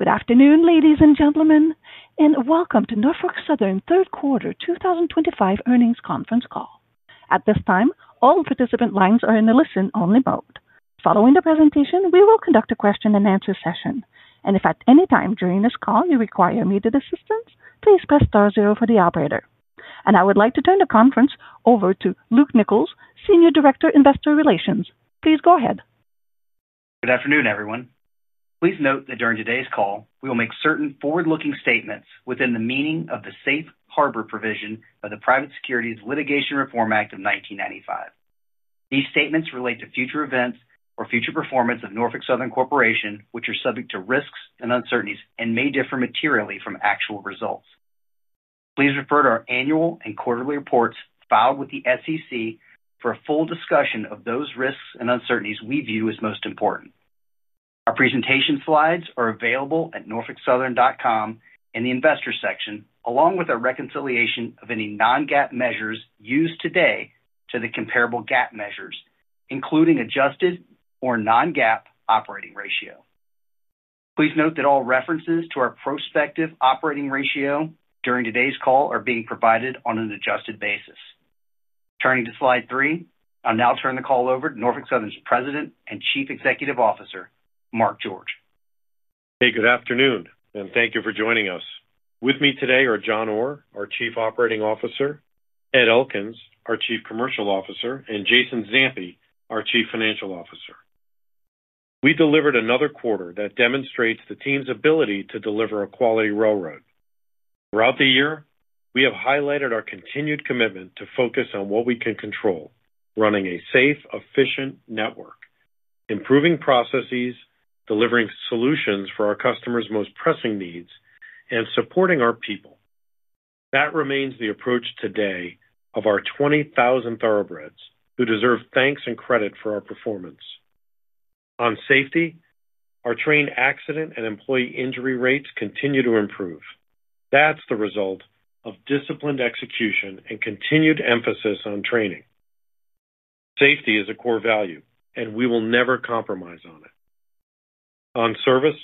Good afternoon, ladies and gentlemen, and welcome to Norfolk Southern Corporation Third Quarter 2025 earnings conference call. At this time, all participant lines are in the listen-only mode. Following the presentation, we will conduct a question and answer session. If at any time during this call you require immediate assistance, please press star zero for the operator. I would like to turn the conference over to Luke Nichols, Senior Director, Investor Relations. Please go ahead. Good afternoon, everyone. Please note that during today's call, we will make certain forward-looking statements within the meaning of the Safe Harbor provision of the Private Securities Litigation Reform Act of 1995. These statements relate to future events or future performance of Norfolk Southern Corporation, which are subject to risks and uncertainties and may differ materially from actual results. Please refer to our annual and quarterly reports filed with the SEC for a full discussion of those risks and uncertainties we view as most important. Our presentation slides are available at norfolksouthern.com in the Investors section, along with a reconciliation of any non-GAAP measures used today to the comparable GAAP measures, including adjusted or non-GAAP operating ratio. Please note that all references to our prospective operating ratio during today's call are being provided on an adjusted basis. Turning to slide three, I'll now turn the call over to Norfolk Southern's President and Chief Executive Officer, Mark George. Hey, good afternoon, and thank you for joining us. With me today are John Orr, our Chief Operating Officer, Ed Elkins, our Chief Commercial Officer, and Jason Zampi, our Chief Financial Officer. We delivered another quarter that demonstrates the team's ability to deliver a quality railroad. Throughout the year, we have highlighted our continued commitment to focus on what we can control: running a safe, efficient network, improving processes, delivering solutions for our customers' most pressing needs, and supporting our people. That remains the approach today of our 20,000 thoroughbreds, who deserve thanks and credit for our performance. On safety, our train accident and employee injury rates continue to improve. That's the result of disciplined execution and continued emphasis on training. Safety is a core value, and we will never compromise on it. On service,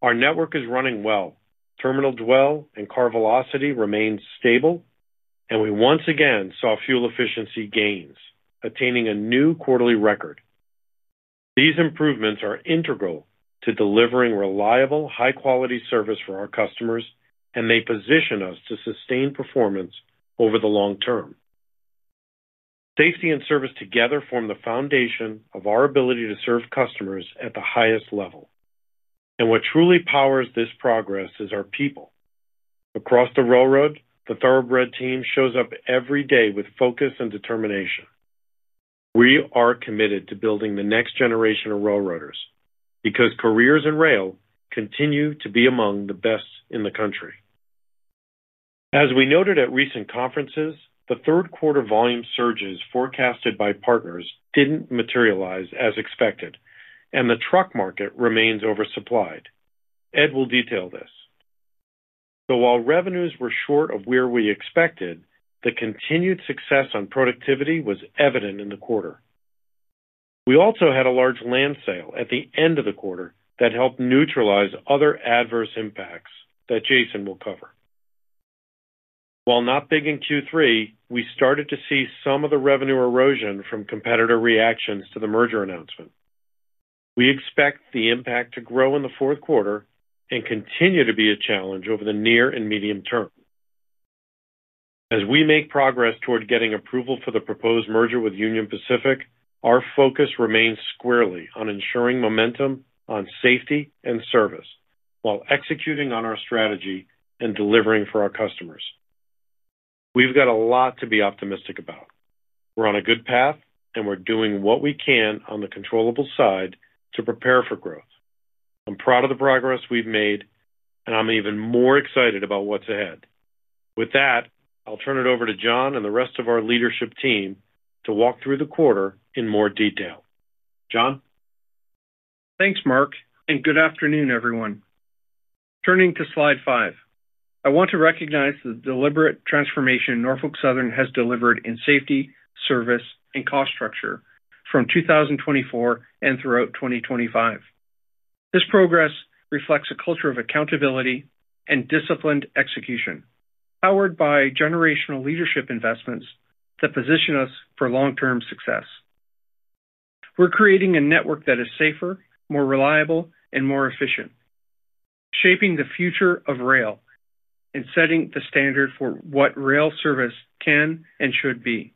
our network is running well. Terminal dwell and car velocity remain stable, and we once again saw fuel efficiency gains, attaining a new quarterly record. These improvements are integral to delivering reliable, high-quality service for our customers, and they position us to sustain performance over the long term. Safety and service together form the foundation of our ability to serve customers at the highest level. What truly powers this progress is our people. Across the railroad, the thoroughbred team shows up every day with focus and determination. We are committed to building the next generation of railroaders because careers in rail continue to be among the best in the country. As we noted at recent conferences, the third quarter volume surges forecasted by partners didn't materialize as expected, and the truck market remains oversupplied. Ed will detail this. While revenues were short of where we expected, the continued success on productivity was evident in the quarter. We also had a large land sale at the end of the quarter that helped neutralize other adverse impacts that Jason will cover. While not big in Q3, we started to see some of the revenue erosion from competitor reactions to the merger announcement. We expect the impact to grow in the fourth quarter and continue to be a challenge over the near and medium term. As we make progress toward getting approval for the proposed merger with Union Pacific, our focus remains squarely on ensuring momentum on safety and service while executing on our strategy and delivering for our customers. We've got a lot to be optimistic about. We're on a good path, and we're doing what we can on the controllable side to prepare for growth. I'm proud of the progress we've made, and I'm even more excited about what's ahead. With that, I'll turn it over to John and the rest of our leadership team to walk through the quarter in more detail. John? Thanks, Mark, and good afternoon, everyone. Turning to slide five, I want to recognize the deliberate transformation Norfolk Southern has delivered in safety, service, and cost structure from 2024 and throughout 2025. This progress reflects a culture of accountability and disciplined execution, powered by generational leadership investments that position us for long-term success. We're creating a network that is safer, more reliable, and more efficient, shaping the future of rail and setting the standard for what rail service can and should be.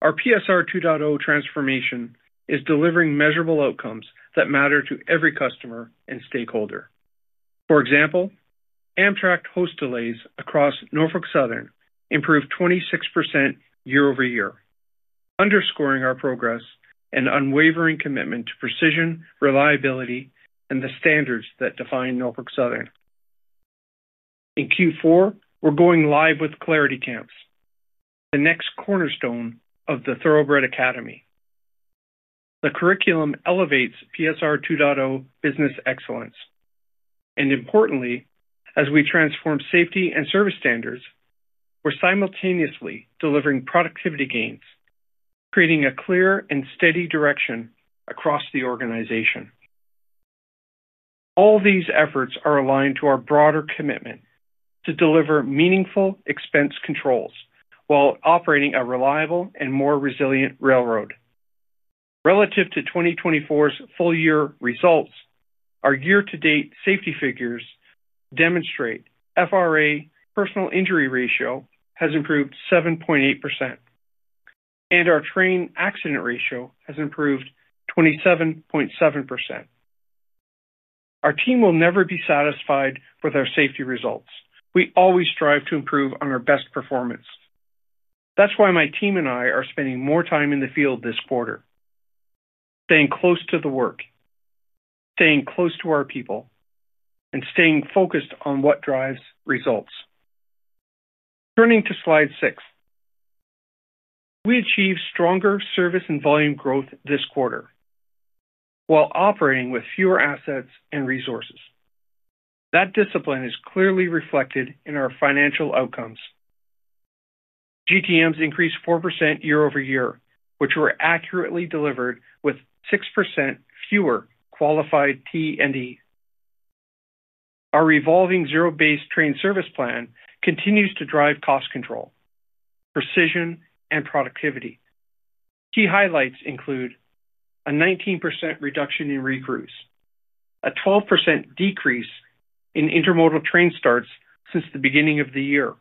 Our PSR 2.0 transformation is delivering measurable outcomes that matter to every customer and stakeholder. For example, Amtrak host delays across Norfolk Southern improved 26% year-over-year, underscoring our progress and unwavering commitment to precision, reliability, and the standards that define Norfolk Southern. In Q4, we're going live with clarity camps, the next cornerstone of the Thoroughbred Academy. The curriculum elevates PSR 2.0 business excellence. Importantly, as we transform safety and service standards, we're simultaneously delivering productivity gains, creating a clear and steady direction across the organization. All these efforts are aligned to our broader commitment to deliver meaningful expense controls while operating a reliable and more resilient railroad. Relative to 2024's full-year results, our year-to-date safety figures demonstrate FRA personal injury ratio has improved 7.8%, and our train accident ratio has improved 27.7%. Our team will never be satisfied with our safety results. We always strive to improve on our best performance. That's why my team and I are spending more time in the field this quarter, staying close to the work, staying close to our people, and staying focused on what drives results. Turning to slide six, we achieved stronger service and volume growth this quarter while operating with fewer assets and resources. That discipline is clearly reflected in our financial outcomes. GTMs increased 4% year-over-year, which were accurately delivered with 6% fewer qualified T&E. Our evolving zero-based train service plan continues to drive cost control, precision, and productivity. Key highlights include a 19% reduction in re-crews, a 12% decrease in intermodal train starts since the beginning of the year,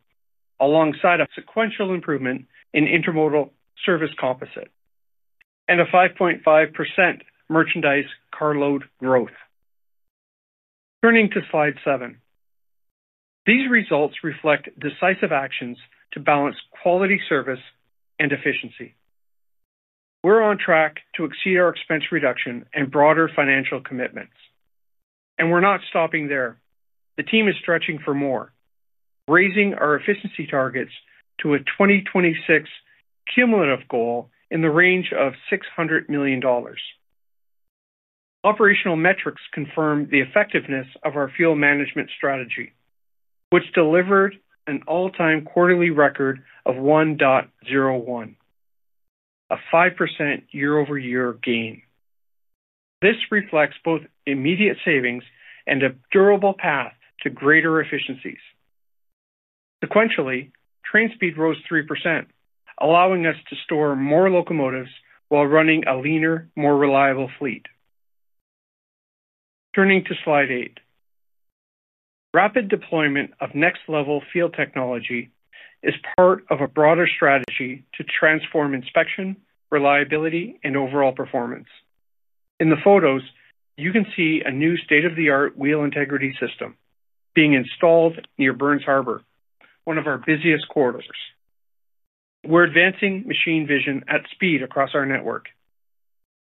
alongside a sequential improvement in intermodal service composite, and a 5.5% merchandise carload growth. Turning to slide seven, these results reflect decisive actions to balance quality service and efficiency. We're on track to exceed our expense reduction and broader financial commitments. We're not stopping there. The team is stretching for more, raising our efficiency targets to a 2026 cumulative goal in the range of $600 million. Operational metrics confirm the effectiveness of our fuel management strategy, which delivered an all-time quarterly record of 1.01, a 5% year-over-year gain. This reflects both immediate savings and a durable path to greater efficiencies. Sequentially, train speed rose 3%, allowing us to store more locomotives while running a leaner, more reliable fleet. Turning to slide eight, rapid deployment of next-level field technology is part of a broader strategy to transform inspection, reliability, and overall performance. In the photos, you can see a new state-of-the-art wheel integrity system being installed near Burns Harbor, one of our busiest quarters. We're advancing machine vision at speed across our network.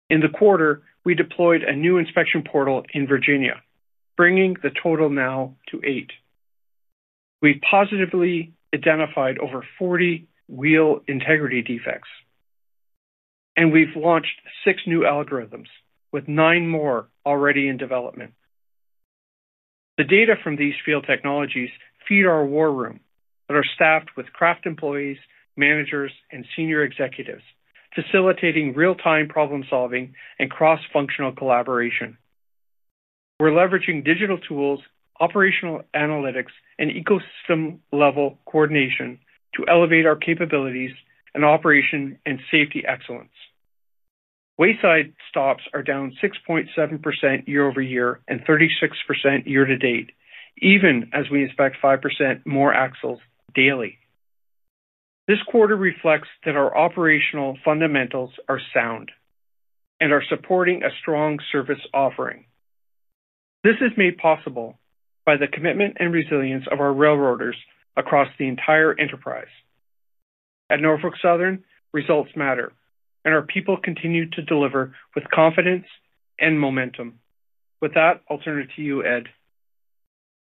In the quarter, we deployed a new inspection portal in Virginia, bringing the total now to eight. We've positively identified over 40 wheel integrity defects. We've launched six new algorithms, with nine more already in development. The data from these field technologies feed our war room that are staffed with craft employees, managers, and senior executives, facilitating real-time problem solving and cross-functional collaboration. We're leveraging digital tools, operational analytics, and ecosystem-level coordination to elevate our capabilities in operation and safety excellence. Wayside stops are down 6.7% year-over-year and 36% year to date, even as we inspect 5% more axles daily. This quarter reflects that our operational fundamentals are sound and are supporting a strong service offering. This is made possible by the commitment and resilience of our railroaders across the entire enterprise. At Norfolk Southern, results matter, and our people continue to deliver with confidence and momentum. With that, I'll turn it to you, Ed.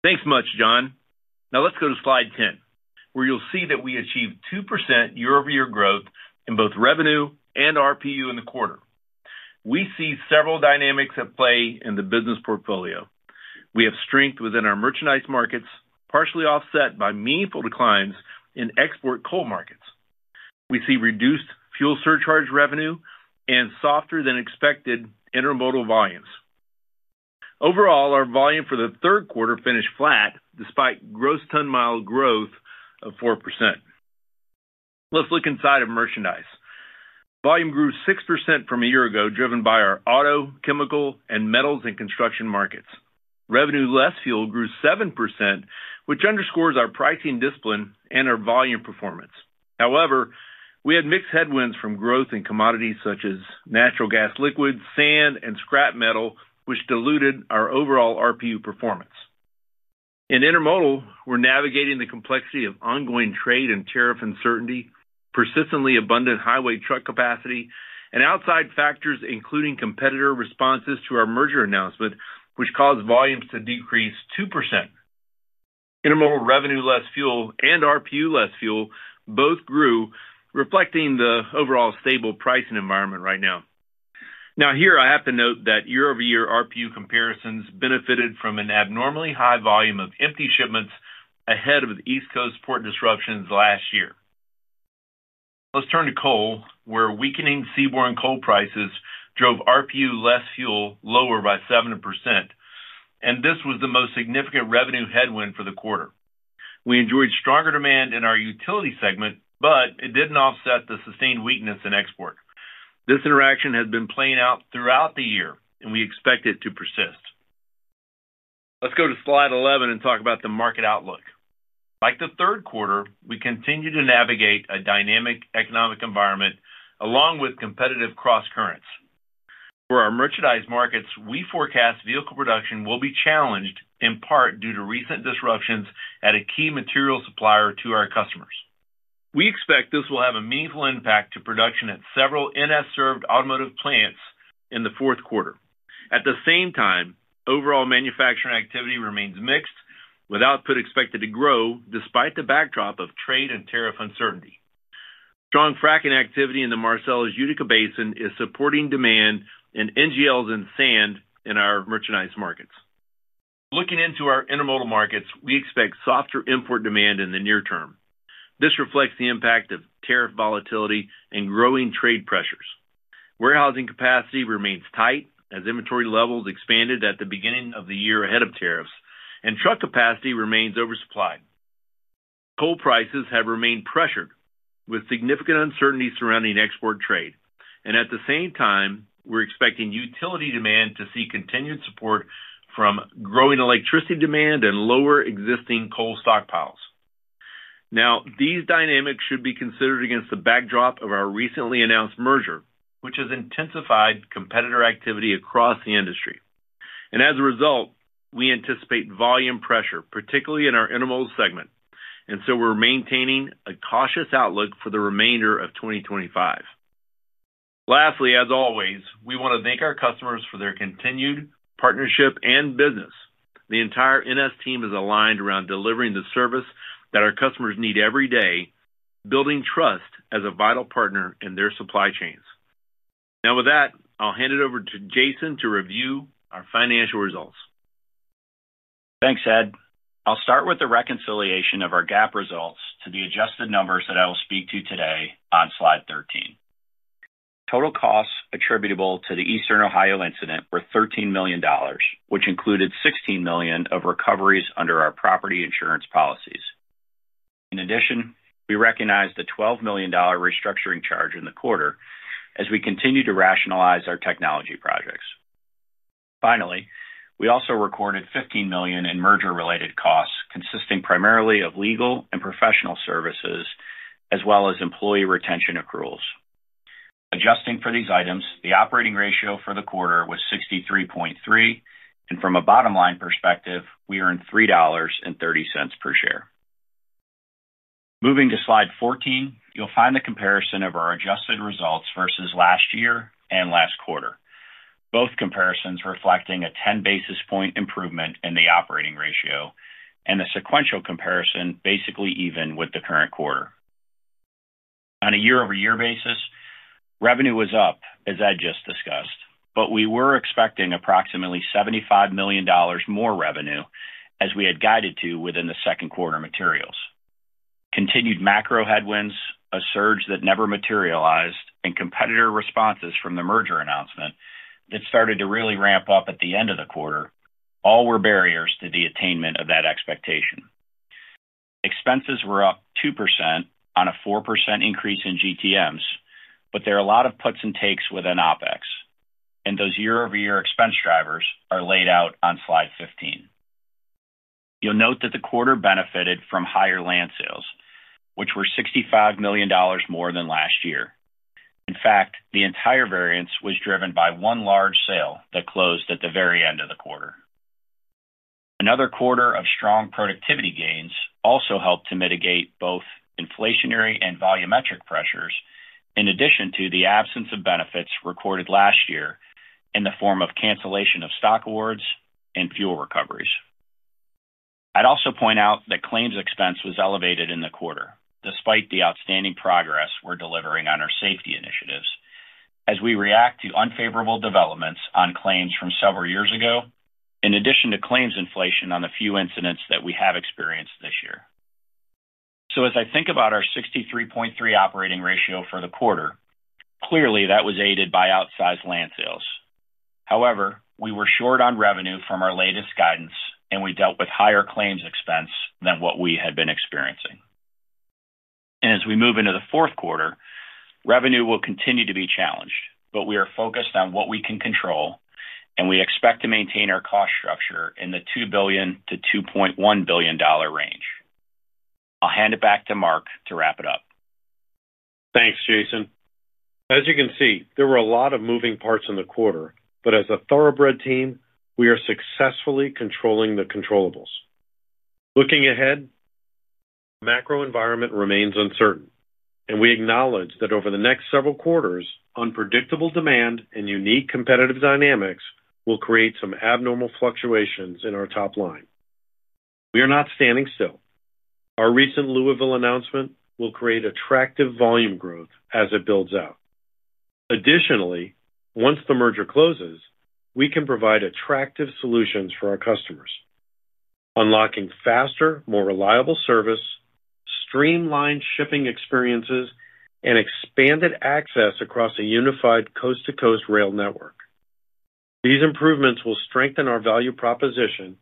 Thanks much, John. Now let's go to slide 10, where you'll see that we achieved 2% year-over-year growth in both revenue and RPU in the quarter. We see several dynamics at play in the business portfolio. We have strength within our merchandise markets, partially offset by meaningful declines in export coal markets. We see reduced fuel surcharge revenue and softer-than-expected intermodal volumes. Overall, our volume for the third quarter finished flat despite gross ton mile growth of 4%. Let's look inside of merchandise. Volume grew 6% from a year ago, driven by our auto, chemical, and metals, and construction markets. Revenue less fuel grew 7%, which underscores our pricing discipline and our volume performance. However, we had mixed headwinds from growth in commodities such as natural gas liquids, sand, and scrap metal, which diluted our overall RPU performance. In intermodal, we're navigating the complexity of ongoing trade and tariff uncertainty, persistently abundant highway truck capacity, and outside factors, including competitor responses to our merger announcement, which caused volumes to decrease 2%. Intermodal revenue less fuel and RPU less fuel both grew, reflecting the overall stable pricing environment right now. Here, I have to note that year-over-year RPU comparisons benefited from an abnormally high volume of empty shipments ahead of the East Coast port disruptions last year. Let's turn to coal, where weakening seaborne coal prices drove RPU less fuel lower by 7%. This was the most significant revenue headwind for the quarter. We enjoyed stronger demand in our utility segment, but it didn't offset the sustained weakness in export. This interaction has been playing out throughout the year, and we expect it to persist. Let's go to slide 11 and talk about the market outlook. Like the third quarter, we continue to navigate a dynamic economic environment along with competitive cross-currents. For our merchandise markets, we forecast vehicle production will be challenged in part due to recent disruptions at a key material supplier to our customers. We expect this will have a meaningful impact to production at several NS-served automotive plants in the fourth quarter. At the same time, overall manufacturing activity remains mixed with output expected to grow despite the backdrop of trade and tariff uncertainty. Strong fracking activity in the Marcellus Utica Basin is supporting demand in NGLs and sand in our merchandise markets. Looking into our intermodal markets, we expect softer import demand in the near term. This reflects the impact of tariff volatility and growing trade pressures. Warehousing capacity remains tight as inventory levels expanded at the beginning of the year ahead of tariffs, and truck capacity remains oversupplied. Coal prices have remained pressured with significant uncertainty surrounding export coal markets. At the same time, we're expecting utility demand to see continued support from growing electricity demand and lower existing coal stockpiles. These dynamics should be considered against the backdrop of our recently announced merger, which has intensified competitor activity across the industry. As a result, we anticipate volume pressure, particularly in our intermodal segment. We're maintaining a cautious outlook for the remainder of 2025. Lastly, as always, we want to thank our customers for their continued partnership and business. The entire NSC team is aligned around delivering the service that our customers need every day, building trust as a vital partner in their supply chains. With that, I'll hand it over to Jason to review our financial results. Thanks, Ed. I'll start with the reconciliation of our GAAP results to the adjusted numbers that I will speak to today on slide 13. Total costs attributable to the Eastern Ohio incident were $13 million, which included $16 million of recoveries under our property insurance policies. In addition, we recognized the $12 million restructuring charge in the quarter as we continue to rationalize our technology projects. Finally, we also recorded $15 million in merger-related costs, consisting primarily of legal and professional services, as well as employee retention accruals. Adjusting for these items, the operating ratio for the quarter was 63.3, and from a bottom-line perspective, we earned $3.30/share. Moving to slide 14, you'll find the comparison of our adjusted results vs last year and last quarter, both comparisons reflecting a 10-basis point improvement in the operating ratio and a sequential comparison basically even with the current quarter. On a year-over-year basis, revenue was up, as I just discussed, but we were expecting approximately $75 million more revenue as we had guided to within the second quarter materials. Continued macro-headwinds, a surge that never materialized, and competitor responses from the merger announcement that started to really ramp up at the end of the quarter all were barriers to the attainment of that expectation. Expenses were up 2% on a 4% increase in GTMs, but there are a lot of puts and takes within OpEx, and those year-over-year expense drivers are laid out on slide 15. You'll note that the quarter benefited from higher land sales, which were $65 million more than last year. In fact, the entire variance was driven by one large sale that closed at the very end of the quarter. Another quarter of strong productivity gains also helped to mitigate both inflationary and volumetric pressures, in addition to the absence of benefits recorded last year in the form of cancellation of stock awards and fuel recoveries. I'd also point out that claims expense was elevated in the quarter, despite the outstanding progress we're delivering on our safety initiatives as we react to unfavorable developments on claims from several years ago, in addition to claims inflation on the few incidents that we have experienced this year. As I think about our 63.3 operating ratio for the quarter, clearly that was aided by outsized land sales. However, we were short on revenue from our latest guidance, and we dealt with higher claims expense than what we had been experiencing. As we move into the fourth quarter, revenue will continue to be challenged, but we are focused on what we can control, and we expect to maintain our cost structure in the $2 billion-$2.1 billion range. I'll hand it back to Mark to wrap it up. Thanks, Jason. As you can see, there were a lot of moving parts in the quarter, but as a thoroughbred team, we are successfully controlling the controllables. Looking ahead, the macro-economic environment remains uncertain, and we acknowledge that over the next several quarters, unpredictable demand and unique competitive dynamics will create some abnormal fluctuations in our top-line. We are not standing still. Our recent Louisville announcement will create attractive volume growth as it builds out. Additionally, once the merger closes, we can provide attractive solutions for our customers, unlocking faster, more reliable service, streamlined shipping experiences, and expanded access across a unified coast-to-coast rail network. These improvements will strengthen our value proposition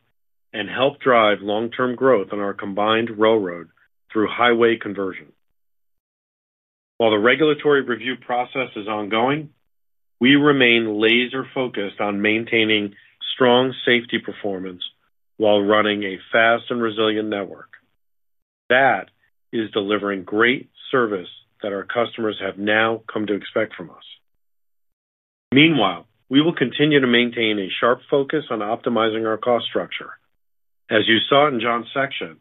and help drive long-term growth on our combined railroad through highway conversion. While the regulatory review process is ongoing, we remain laser-focused on maintaining strong safety performance while running a fast and resilient network. That is delivering great service that our customers have now come to expect from us. Meanwhile, we will continue to maintain a sharp focus on optimizing our cost structure. As you saw in John's section,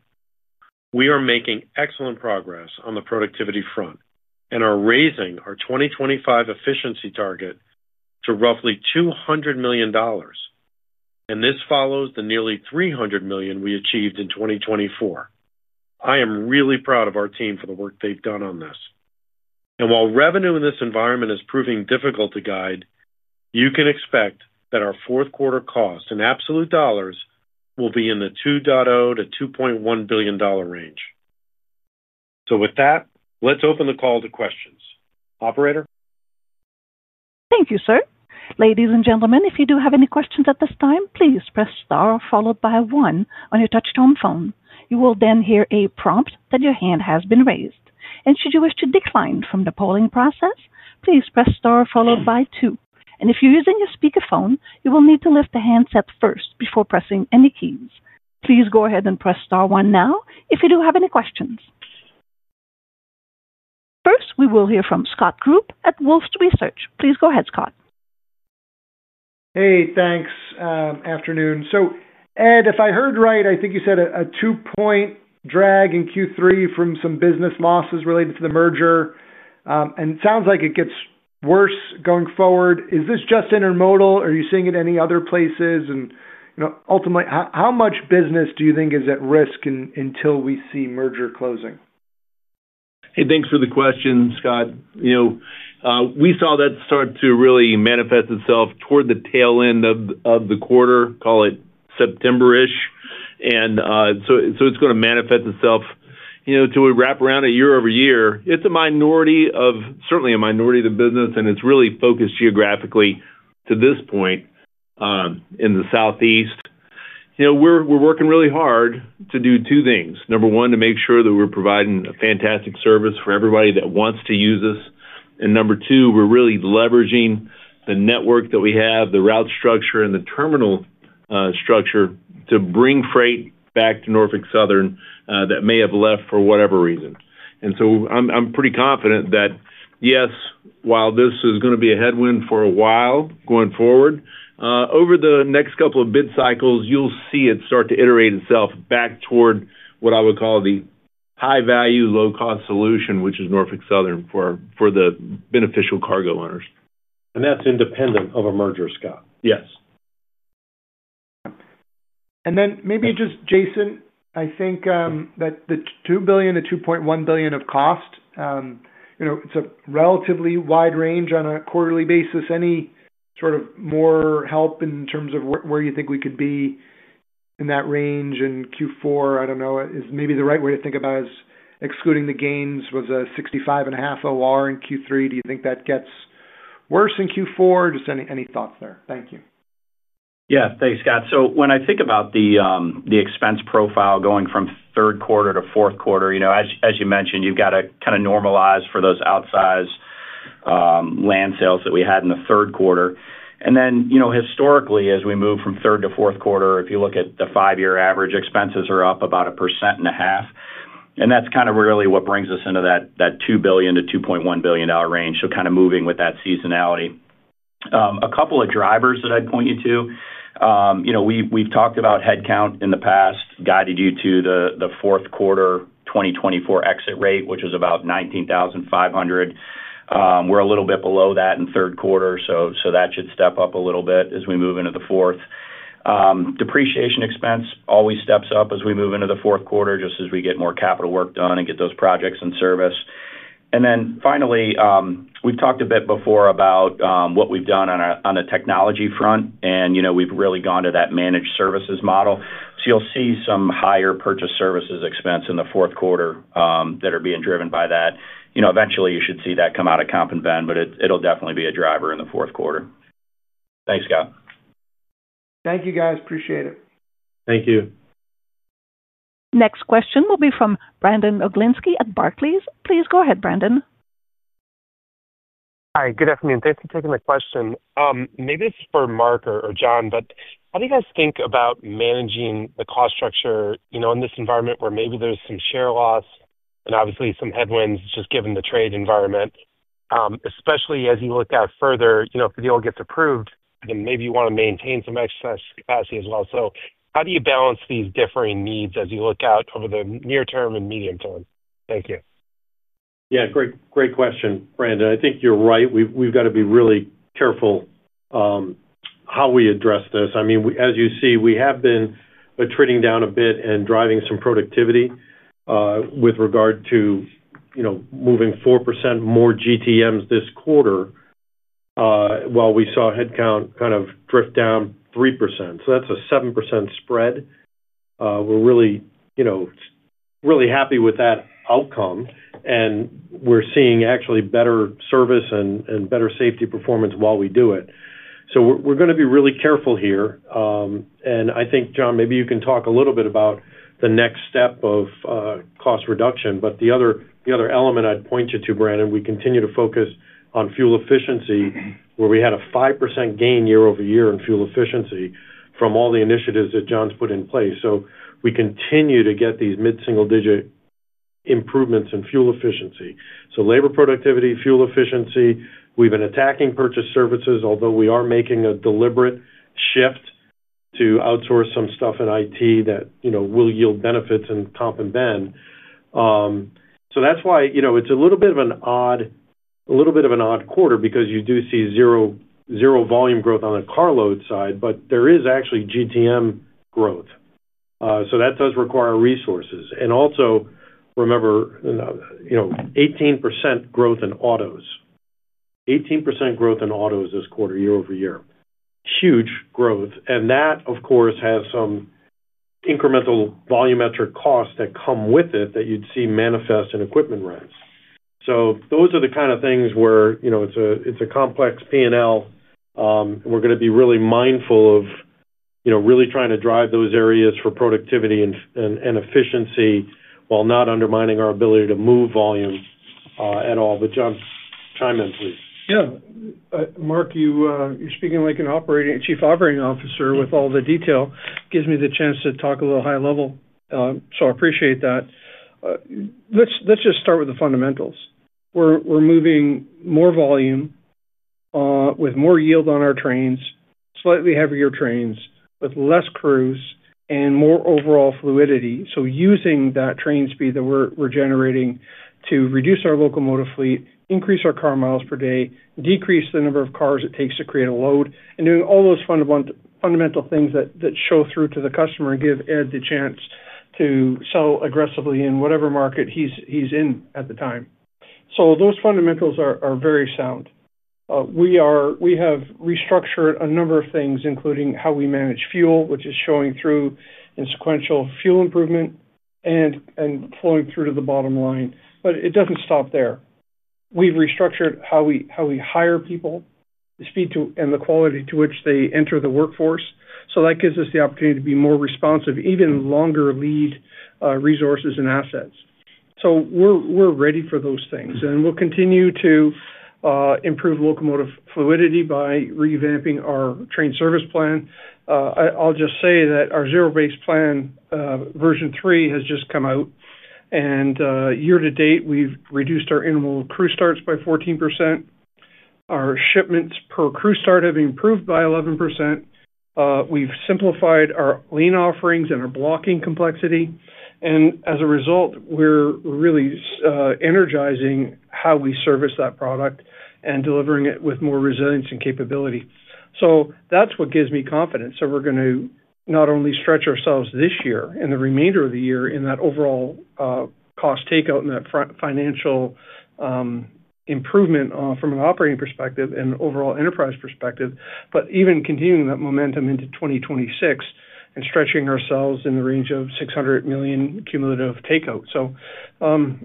we are making excellent progress on the productivity front and are raising our 2025 cumulative efficiency target to roughly $200 million, and this follows the nearly $300 million we achieved in 2024. I am really proud of our team for the work they've done on this. While revenue in this environment is proving difficult to guide, you can expect that our fourth quarter cost in absolute dollars will be in the $2.0 billion-$2.1 billion range. With that, let's open the call to questions. Operator? Thank you, sir. Ladies and gentlemen, if you do have any questions at this time, please press star followed by one on your touch-tone phone. You will then hear a prompt that your hand has been raised. Should you wish to decline from the polling process, please press star followed by two. If you're using your speakerphone, you will need to lift the handset first before pressing any keys. Please go ahead and press star one now if you do have any questions. First, we will hear from Scott Group at Wolfe Research. Please go ahead, Scott. Thanks. Afternoon. Ed, if I heard right, I think you said a two-point drag in Q3 from some business losses related to the merger, and it sounds like it gets worse going forward. Is this just intermodal? Are you seeing it in any other places? Ultimately, how much business do you think is at risk until we see merger closing? Hey, thanks for the question, Scott. You know, we saw that start to really manifest itself toward the tail end of the quarter, call it September-ish. It's going to manifest itself until we wrap around a year-over-year. It's a minority of, certainly a minority of the business, and it's really focused geographically to this point in the Southeast. We're working really hard to do two things. Number one, to make sure that we're providing a fantastic service for everybody that wants to use us. Number two, we're really leveraging the network that we have, the route structure, and the terminal structure to bring freight back to Norfolk Southern that may have left for whatever reason. I'm pretty confident that, yes, while this is going to be a headwind for a while going forward, over the next couple of bid cycles, you'll see it start to iterate itself back toward what I would call the high-value, low-cost solution, which is Norfolk Southern for the beneficial cargo owners. That's independent of a merger, Scott. Yes. Jason, I think that the $2 billion-$2.1 billion of cost, you know, it's a relatively wide range on a quarterly basis. Any sort of more help in terms of where you think we could be in that range in Q4? I don't know. Is maybe the right way to think about it is excluding the gains was a 65.5% OR in Q3. Do you think that gets worse in Q4? Just any thoughts there? Thank you. Yeah, thanks, Scott. When I think about the expense profile going from third quarter to fourth quarter, as you mentioned, you've got to kind of normalize for those outsized land sales that we had in the third quarter. Historically, as we move from third to fourth quarter, if you look at the five-year average, expenses are up about 1.5%. That's really what brings us into that $2 billion-$2.1 billion range, moving with that seasonality. A couple of drivers that I'd point you to: we've talked about headcount in the past, guided you to the fourth quarter 2024 exit rate, which was about 19,500. We're a little bit below that in third quarter, so that should step up a little bit as we move into the fourth. Depreciation expense always steps up as we move into the fourth quarter, just as we get more capital work done and get those projects in service. Finally, we've talked a bit before about what we've done on the technology front, and we've really gone to that managed services model. You'll see some higher purchase services expense in the fourth quarter that are being driven by that. Eventually, you should see that come out of comp and ben, but it'll definitely be a driver in the fourth quarter. Thanks, Scott. Thank you, guys. Appreciate it. Thank you. Next question will be from Brandon Oglenski at Barclays. Please go ahead, Brandon. Hi, good afternoon. Thanks for taking the question. Maybe this is for Mark or John, but how do you guys think about managing the cost structure in this environment where maybe there's some share loss and obviously some headwinds just given the trade environment? Especially as you look out further, if the deal gets approved, then maybe you want to maintain some excess capacity as well. How do you balance these differing needs as you look out over the near term and medium term? Thank you. Yeah, great, great question, Brandon. I think you're right. We've got to be really careful how we address this. I mean, as you see, we have been treading down a bit and driving some productivity with regard to, you know, moving 4% more GTMs this quarter, while we saw headcount kind of drift down 3%. That's a 7% spread. We're really, you know, really happy with that outcome. We're seeing actually better service and better safety performance while we do it. We're going to be really careful here. I think, John, maybe you can talk a little bit about the next step of cost reduction. The other element I'd point you to, Brandon, we continue to focus on fuel efficiency, where we had a 5% gain year-over-year in fuel efficiency from all the initiatives that John's put in place. We continue to get these mid-single-digit improvements in fuel efficiency. Labor productivity, fuel efficiency, we've been attacking purchase services, although we are making a deliberate shift to outsource some stuff in IT that, you know, will yield benefits in comp and ben. That's why, you know, it's a little bit of an odd, a little bit of an odd quarter because you do see zero volume growth on the carload side, but there is actually GTM growth. That does require resources. Also, remember, you know, 18% growth in autos. 18% growth in autos this quarter, year-over-year. Huge growth. That, of course, has some incremental volumetric costs that come with it that you'd see manifest in equipment rents. Those are the kind of things where, you know, it's a complex P&L. We're going to be really mindful of, you know, really trying to drive those areas for productivity and efficiency while not undermining our ability to move volume at all. John, chime in, please. Yeah. Mark, you're speaking like a Chief Operating Officer with all the detail. It gives me the chance to talk a little high level. I appreciate that. Let's just start with the fundamentals. We're moving more volume, with more yield on our trains, slightly heavier trains, with less crews and more overall fluidity. Using that train speed that we're generating to reduce our locomotive fleet, increase our car miles per day, decrease the number of cars it takes to create a load, and doing all those fundamental things that show through to the customer and give Ed the chance to sell aggressively in whatever market he's in at the time. Those fundamentals are very sound. We have restructured a number of things, including how we manage fuel, which is showing through in sequential fuel improvement and flowing through to the bottom line. It doesn't stop there. We've restructured how we hire people, the speed to and the quality to which they enter the workforce. That gives us the opportunity to be more responsive, even longer lead, resources and assets. We're ready for those things. We'll continue to improve locomotive fluidity by revamping our train service plan. I'll just say that our zero-based plan, version three, has just come out. Year to date, we've reduced our intermodal crew starts by 14%. Our shipments per crew start have improved by 11%. We've simplified our lean offerings and our blocking complexity. As a result, we're really energizing how we service that product and delivering it with more resilience and capability. That's what gives me confidence. We're going to not only stretch ourselves this year and the remainder of the year in that overall cost takeout and that financial improvement, from an operating perspective and overall enterprise perspective, but even continuing that momentum into 2026 and stretching ourselves in the range of $600 million cumulative takeout.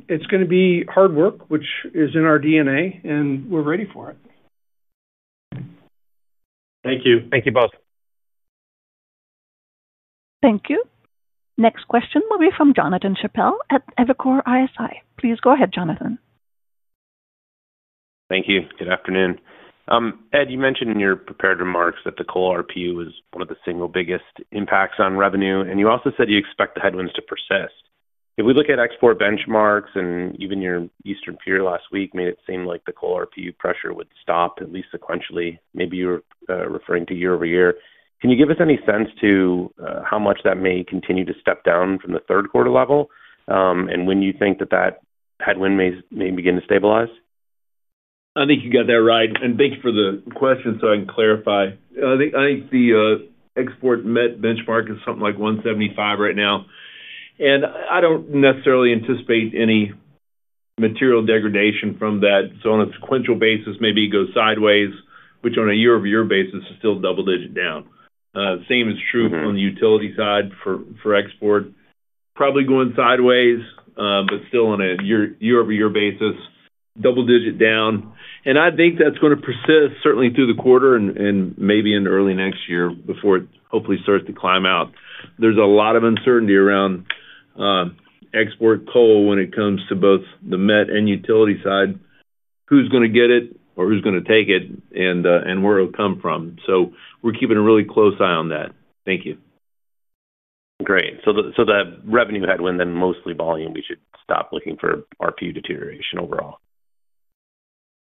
It's going to be hard work, which is in our DNA, and we're ready for it. Thank you. Thank you both. Thank you. Next question will be from Jonathan Chappell at Evercore ISI. Please go ahead, Jonathan. Thank you. Good afternoon. Ed, you mentioned in your prepared remarks that the coal RPU was one of the single biggest impacts on revenue, and you also said you expect the headwinds to persist. If we look at export benchmarks and even your Eastern period last week, it made it seem like the coal RPU pressure would stop at least sequentially. Maybe you were referring to year-over-year. Can you give us any sense to how much that may continue to step down from the third quarter level, and when you think that that headwind may begin to stabilize? I think you got that right. Thanks for the question so I can clarify. I think the export met benchmark is something like $175 right now. I don't necessarily anticipate any material degradation from that. On a sequential basis, maybe it goes sideways, which on a year-over-year basis is still double-digit down. The same is true on the utility side for export. Probably going sideways, but still on a year-over-year basis, double-digit down. I think that's going to persist certainly through the quarter and maybe in early next year before it hopefully starts to climb out. There's a lot of uncertainty around export coal when it comes to both the met and utility side, who's going to get it or who's going to take it and where it'll come from. We're keeping a really close eye on that. Thank you. Great. That revenue headwind and mostly volume, we should stop looking for RPU deterioration overall?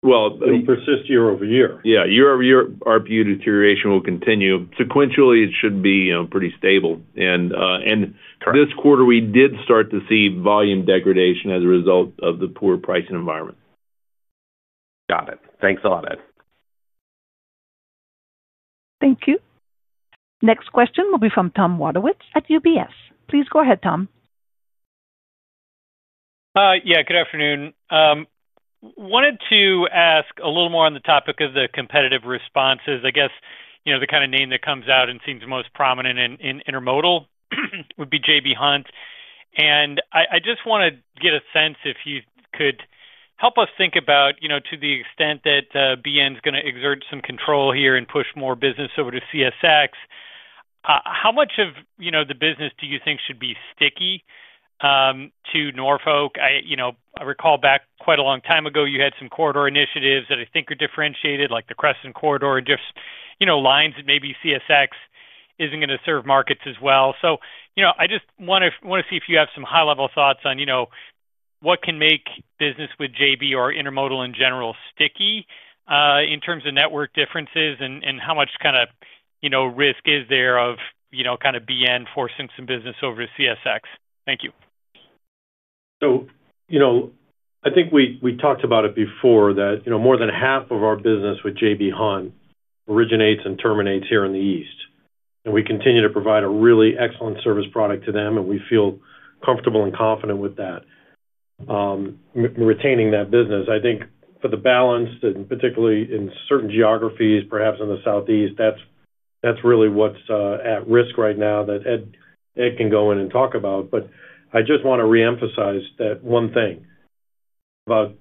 It'll persist year over year. Year-over-year RPU deterioration will continue. Sequentially, it should be pretty stable. This quarter, we did start to see volume degradation as a result of the poor pricing environment. Got it. Thanks a lot, Ed. Thank you. Next question will be from Tom Wadewitz at UBS. Please go ahead, Tom. Yeah, good afternoon. I wanted to ask a little more on the topic of the competitive responses. I guess, you know, the kind of name that comes out and seems most prominent in intermodal would be J.B. Hunt. I just want to get a sense if you could help us think about, you know, to the extent that BN is going to exert some control here and push more business over to CSX. How much of the business do you think should be sticky to Norfolk? I recall back quite a long time ago, you had some corridor initiatives that I think are differentiated, like the Crescent Corridor and just lines that maybe CSX isn't going to serve markets as well. I just want to see if you have some high-level thoughts on what can make business with J.B. Hunt or intermodal in general sticky, in terms of network differences and how much kind of risk is there of BN forcing some business over to CSX? Thank you. I think we talked about it before that more than half of our business with J.B. Hunt originates and terminates here in the East. We continue to provide a really excellent service product to them, and we feel comfortable and confident with retaining that business. I think for the balance, and particularly in certain geographies, perhaps in the Southeast, that's really what's at risk right now that Ed can go in and talk about. I just want to reemphasize that one thing. About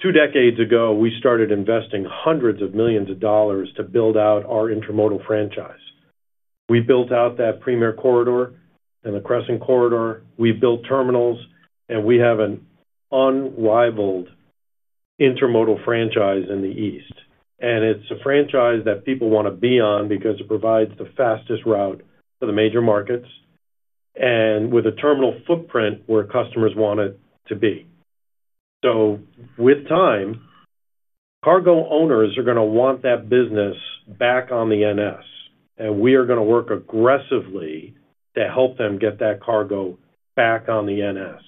two decades ago, we started investing hundreds of millions of dollars to build out our intermodal franchise. We built out that Premier Corridor and the Crescent Corridor. We built terminals, and we have an unrivaled intermodal franchise in the East. It's a franchise that people want to be on because it provides the fastest route to the major markets and with a terminal footprint where customers want it to be. With time, cargo owners are going to want that business back on the NS, and we are going to work aggressively to help them get that cargo back on the NS.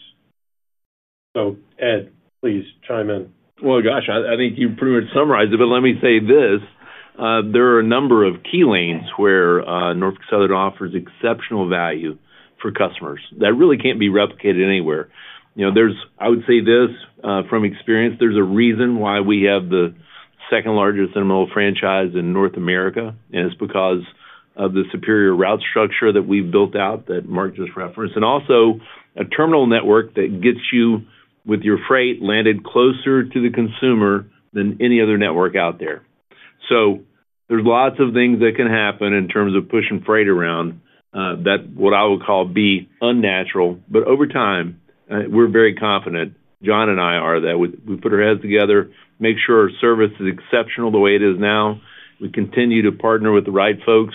Ed, please chime in. Gosh, I think you pretty much summarized it, but let me say this. There are a number of key lanes where Norfolk Southern offers exceptional value for customers that really can't be replicated anywhere. I would say this, from experience, there's a reason why we have the second largest intermodal franchise in North America, and it's because of the superior route structure that we've built out that Mark just referenced, and also a terminal network that gets you with your freight landed closer to the consumer than any other network out there. There are lots of things that can happen in terms of pushing freight around that what I would call be unnatural. Over time, we're very confident, John and I are, that we put our heads together, make sure our service is exceptional the way it is now. We continue to partner with the right folks.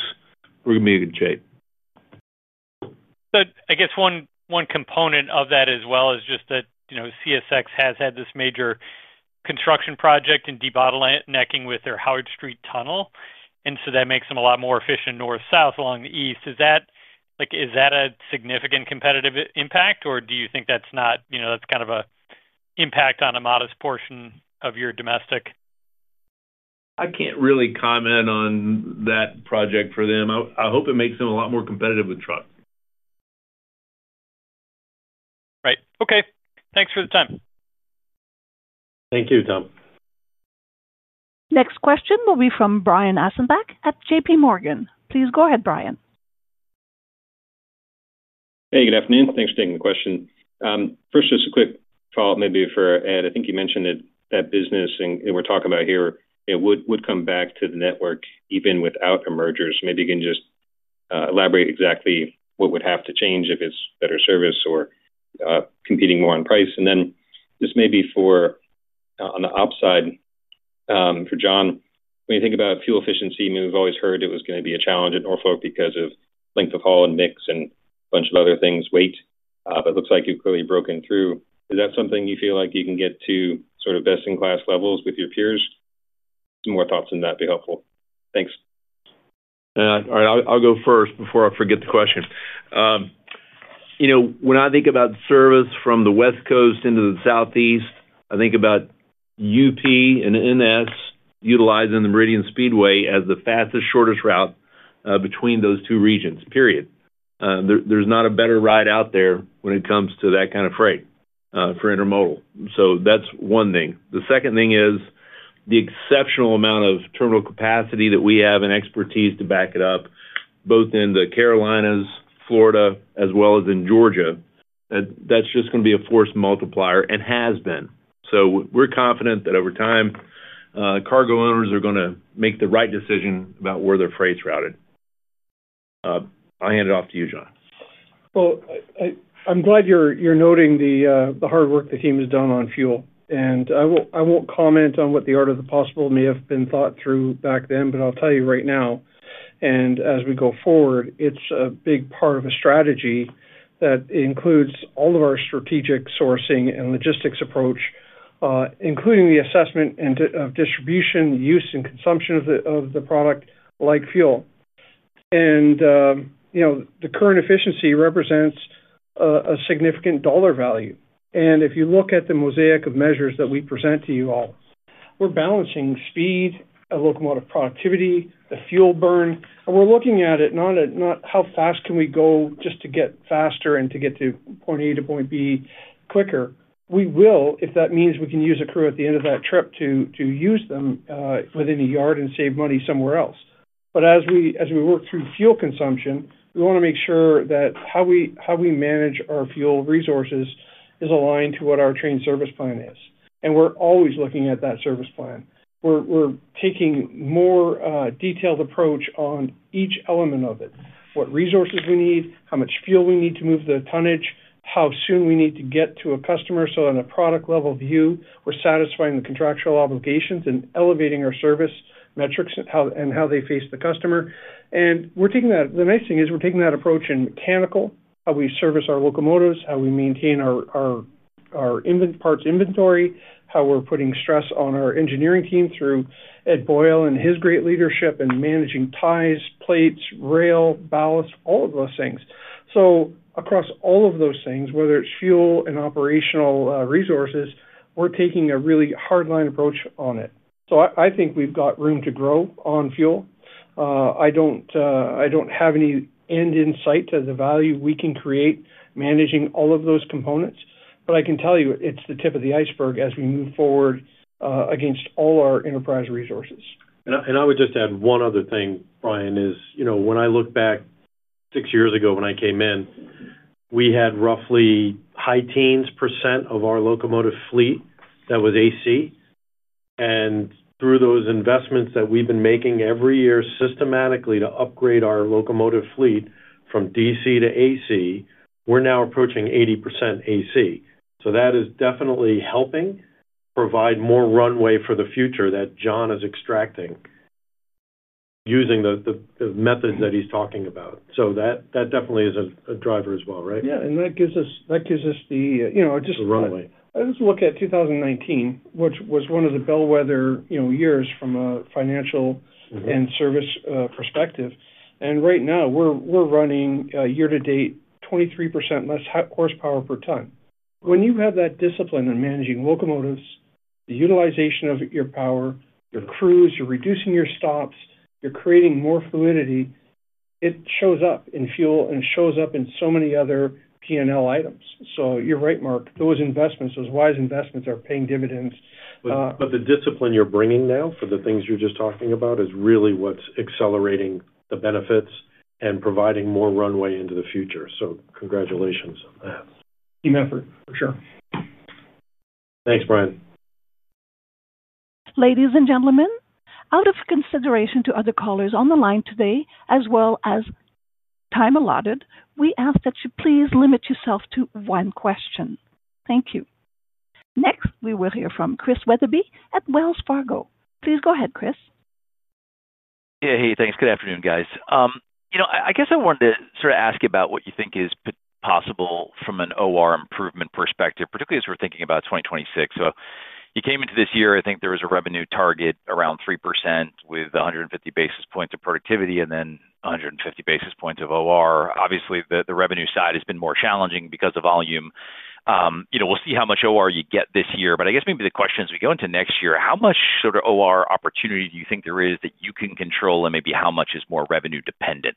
We're going to be in good shape. I guess one component of that as well is just that, you know, CSX has had this major construction project and debottlenecking with their Howard Street tunnel. That makes them a lot more efficient north-south along the East. Is that a significant competitive impact, or do you think that's not, you know, that's kind of an impact on a modest portion of your domestic? I can't really comment on that project for them. I hope it makes them a lot more competitive with trucks. Right. Okay, thanks for the time. Thank you, Tom. Next question will be from Brian Ossenbeck at JPMorgan. Please go ahead, Brian. Hey, good afternoon. Thanks for taking the question. First, just a quick follow-up maybe for Ed. I think you mentioned that that business, and we're talking about here, it would come back to the network even without a merger. Maybe you can just elaborate exactly what would have to change if it's better service or competing more on price. For John, when you think about fuel efficiency, we've always heard it was going to be a challenge at Norfolk because of length of haul and mix and a bunch of other things, weight. It looks like you've clearly broken through. Is that something you feel like you can get to sort of best-in-class levels with your peers? Some more thoughts on that would be helpful. Thanks. All right, I'll go first before I forget the question. You know, when I think about service from the West Coast into the Southeast, I think about UP and NS utilizing the Meridian Speedway as the fastest, shortest route between those two regions, period. There's not a better ride out there when it comes to that kind of freight for intermodal. That's one thing. The second thing is the exceptional amount of terminal capacity that we have and expertise to back it up, both in the Carolinas, Florida, as well as in Georgia. That is just going to be a force multiplier and has been. We are confident that over time, cargo owners are going to make the right decision about where their freight's routed. I'll hand it off to you, John. I'm glad you're noting the hard work the team has done on fuel. I won't comment on what the art of the possible may have been thought through back then, but I'll tell you right now, as we go forward, it's a big part of a strategy that includes all of our strategic sourcing and logistics approach, including the assessment of distribution, use, and consumption of the product like fuel. The current efficiency represents a significant dollar value. If you look at the mosaic of measures that we present to you all, we're balancing speed, locomotive productivity, the fuel burn. We're looking at it not at how fast can we go just to get faster and to get to point A-point B quicker. We will, if that means we can use a crew at the end of that trip to use them within a yard and save money somewhere else. As we work through fuel consumption, we want to make sure that how we manage our fuel resources is aligned to what our train service plan is. We're always looking at that service plan. We're taking a more detailed approach on each element of it, what resources we need, how much fuel we need to move the tonnage, how soon we need to get to a customer so on a product-level view, we're satisfying the contractual obligations and elevating our service metrics and how they face the customer. We're taking that. The nice thing is we're taking that approach in mechanical, how we service our locomotives, how we maintain our parts inventory, how we're putting stress on our engineering team through Ed and his great leadership and managing ties, plates, rail, ballast, all of those things. Across all of those things, whether it's fuel and operational resources, we're taking a really hard-line approach on it. I think we've got room to grow on fuel. I don't have any end in sight to the value we can create managing all of those components. I can tell you it's the tip of the iceberg as we move forward against all our enterprise resources. I would just add one other thing, Brian. You know, when I look back six years ago when I came in, we had roughly high teens percent of our locomotive fleet that was AC. Through those investments that we've been making every year systematically to upgrade our locomotive fleet from DC to AC, we're now approaching 80% AC. That is definitely helping provide more runway for the future that John is extracting using the methods that he's talking about. That definitely is a driver as well, right? Yeah, that gives us the, you know, just. The runway. Let's look at 2019, which was one of the bellwether years from a financial and service perspective. Right now, we're running a year-to-date 23% less horsepower per ton. When you have that discipline in managing locomotives, the utilization of your power, your crews, you're reducing your stops, you're creating more fluidity, it shows up in fuel and shows up in so many other P&L items. You're right, Mark. Those investments, those wise investments are paying dividends. The discipline you're bringing now for the things you're just talking about is really what's accelerating the benefits and providing more runway into the future. Congratulations on that. Team effort, for sure. Thanks, Brian. Ladies and gentlemen, out of consideration to other callers on the line today, as well as the time allotted, we ask that you please limit yourself to one question. Thank you. Next, we will hear from Chris Wetherbee at Wells Fargo. Please go ahead, Chris. Yeah, hey, thanks. Good afternoon, guys. I guess I wanted to sort of ask you about what you think is possible from an OR improvement perspective, particularly as we're thinking about 2026. You came into this year, I think there was a revenue target around 3% with 150 basis points of productivity and then 150 basis points of OR. Obviously, the revenue side has been more challenging because of volume. We'll see how much OR you get this year. I guess maybe the question as we go into next year, how much sort of OR opportunity do you think there is that you can control and maybe how much is more revenue dependent?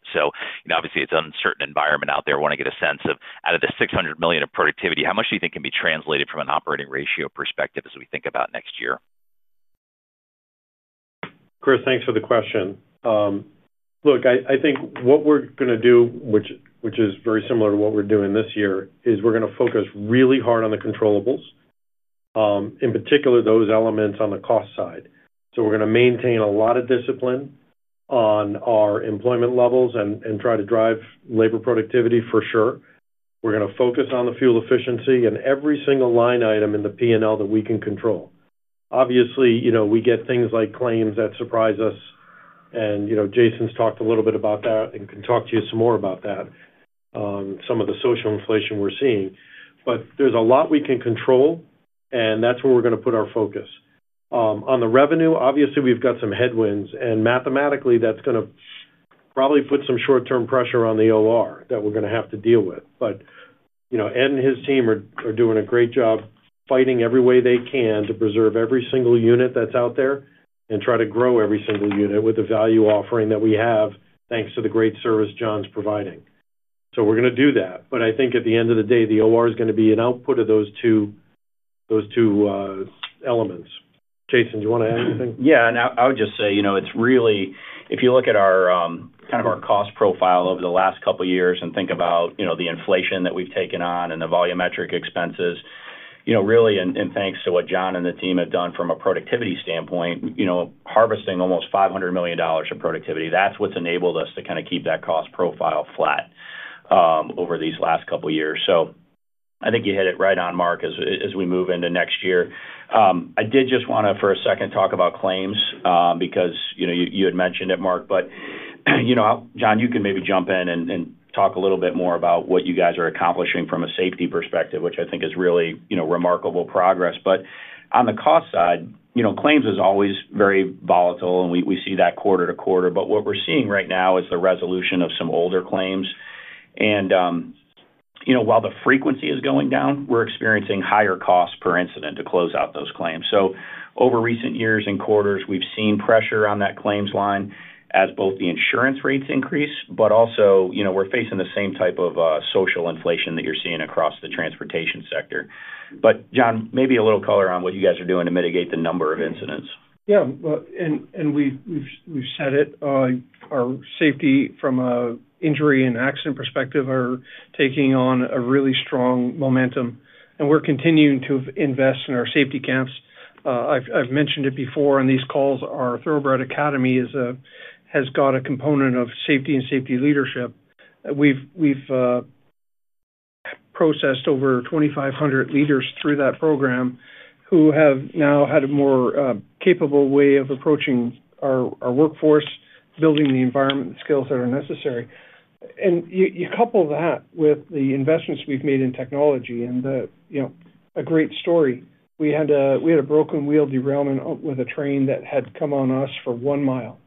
Obviously, it's an uncertain environment out there. I want to get a sense of out of the $600 million of productivity, how much do you think can be translated from an operating ratio perspective as we think about next year? Chris, thanks for the question. Look, I think what we're going to do, which is very similar to what we're doing this year, is we're going to focus really hard on the controllables. In particular, those elements on the cost side. We're going to maintain a lot of discipline on our employment levels and try to drive labor productivity for sure. We're going to focus on the fuel efficiency and every single line item in the P&L that we can control. Obviously, you know, we get things like claims that surprise us. Jason's talked a little bit about that and can talk to you some more about that, some of the social inflation we're seeing. There's a lot we can control, and that's where we're going to put our focus. On the revenue, obviously, we've got some headwinds. Mathematically, that's going to probably put some short-term pressure on the OR that we're going to have to deal with. Ed and his team are doing a great job fighting every way they can to preserve every single unit that's out there and try to grow every single unit with the value offering that we have, thanks to the great service John's providing. We're going to do that. I think at the end of the day, the OR is going to be an output of those two elements. Jason, do you want to add anything? Yeah, I would just say, you know, it's really, if you look at our, kind of our cost profile over the last couple of years and think about, you know, the inflation that we've taken on and the volumetric expenses, you know, really, and thanks to what John and the team have done from a productivity standpoint, harvesting almost $500 million of productivity, that's what's enabled us to kind of keep that cost profile flat over these last couple of years. I think you hit it right on, Mark, as we move into next year. I did just want to, for a second, talk about claims, because you had mentioned it, Mark. John, you can maybe jump in and talk a little bit more about what you guys are accomplishing from a safety perspective, which I think is really remarkable progress. On the cost side, claims is always very volatile, and we see that quarter-to-quarter. What we're seeing right now is the resolution of some older claims. While the frequency is going down, we're experiencing higher costs per incident to close out those claims. Over recent years and quarters, we've seen pressure on that claims line as both the insurance rates increase, but also, you know, we're facing the same type of social inflation that you're seeing across the transportation sector. John, maybe a little color on what you guys are doing to mitigate the number of incidents. Yeah, we've said it, our safety from an injury and accident perspective is taking on a really strong momentum. We're continuing to invest in our safety camps. I've mentioned it before on these calls. Our Thoroughbred Academy has got a component of safety and safety leadership. We've processed over 2,500 leaders through that program who have now had a more capable way of approaching our workforce, building the environment and skills that are necessary. You couple that with the investments we've made in technology and, you know, a great story. We had a broken wheel derailment with a train that had come on us for one mile.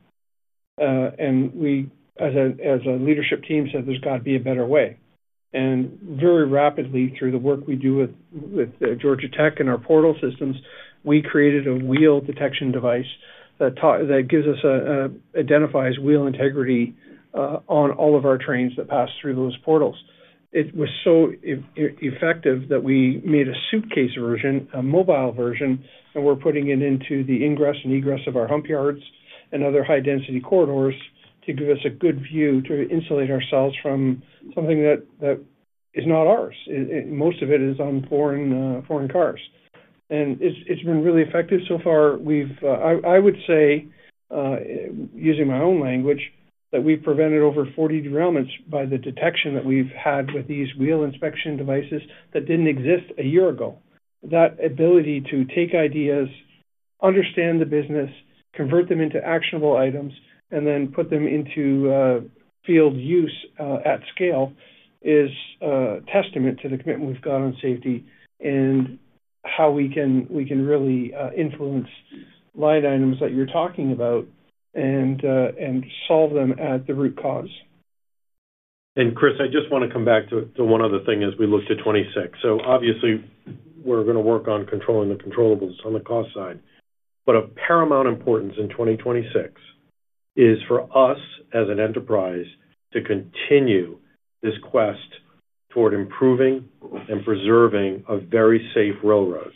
We, as a leadership team, said there's got to be a better way. Very rapidly, through the work we do with Georgia Tech and our portal systems, we created a wheel detection device that gives us an identified wheel integrity on all of our trains that pass through those portals. It was so effective that we made a suitcase version, a mobile version, and we're putting it into the ingress and egress of our hump yards and other high-density corridors to give us a good view to insulate ourselves from something that is not ours. Most of it is on foreign cars. It's been really effective so far. I would say, using my own language, that we've prevented over 40 derailments by the detection that we've had with these wheel inspection devices that didn't exist a year ago. That ability to take ideas, understand the business, convert them into actionable items, and then put them into field use at scale is a testament to the commitment we've got on safety and how we can really influence line items that you're talking about and solve them at the root cause. Chris, I just want to come back to one other thing as we look to 2026. Obviously, we're going to work on controlling the controllables on the cost side. Of paramount importance in 2026 is for us as an enterprise to continue this quest toward improving and preserving a very safe railroad.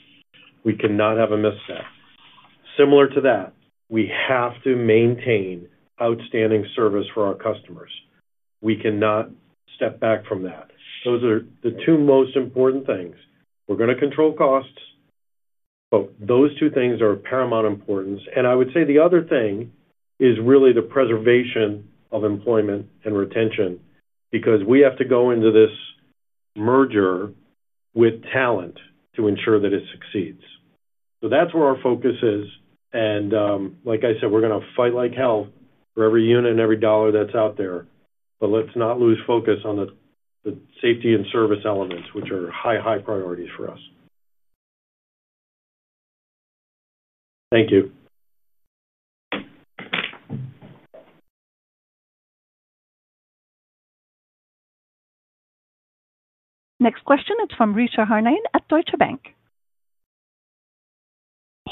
We cannot have a misstep. Similar to that, we have to maintain outstanding service for our customers. We cannot step back from that. Those are the two most important things. We're going to control costs, but those two things are of paramount importance. I would say the other thing is really the preservation of employment and retention because we have to go into this merger with talent to ensure that it succeeds. That's where our focus is. Like I said, we're going to fight like hell for every unit and every dollar that's out there. Let's not lose focus on the safety and service elements, which are high, high priorities for us. Thank you. Next question, it's from Richa Harnain at Deutsche Bank.